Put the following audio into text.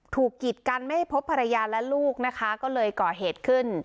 กิจกันไม่ให้พบภรรยาและลูกนะคะก็เลยก่อเหตุขึ้น